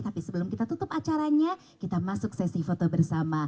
tapi sebelum kita tutup acaranya kita masuk sesi foto bersama